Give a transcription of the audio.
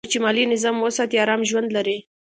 څوک چې مالي نظم ساتي، آرام ژوند لري.